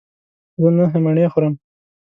زه نهه مڼې خورم.